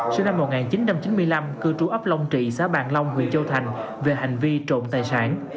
sinh năm một nghìn chín trăm chín mươi năm cư trú ấp long trị xã bàn long huyện châu thành về hành vi trộm tài sản